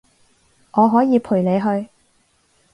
我可以陪你去